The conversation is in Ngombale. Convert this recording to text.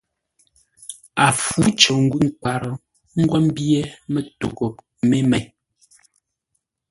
A fû cər ngwʉ̂ ńkwǎr ńgwó ḿbyé mətoghʼə́ mé mêi.